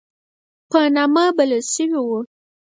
په نامه بلل شوی وو.